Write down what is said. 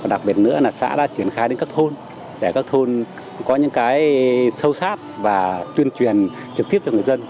đặc biệt nữa là xã đã triển khai đến các thôn để các thôn có những cái sâu sát và tuyên truyền trực tiếp cho người dân